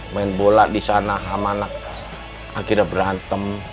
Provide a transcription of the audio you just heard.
main bola di sana sama anak akhirnya berantem